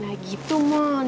nah gitu mon